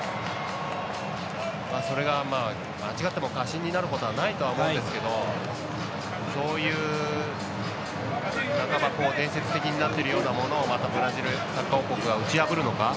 それが、間違っても過信になることはないと思うんですけどそういう半ば、伝説的になっているようなものをまたブラジル、サッカー王国が打ち破るのか。